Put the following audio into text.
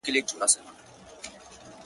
په زرګونو ځوانان تښتي؛ د خواږه وطن له غېږي,